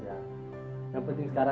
kamu bisa pergi entor ya